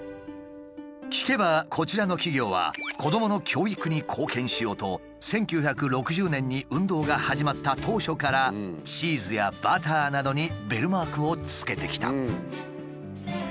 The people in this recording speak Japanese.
聞けばこちらの企業は子どもの教育に貢献しようと１９６０年に運動が始まった当初からチーズやバターなどにベルマークをつけてきた。